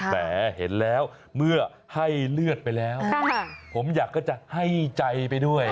แหมเห็นแล้วเมื่อให้เลือดไปแล้วผมอยากก็จะให้ใจไปด้วย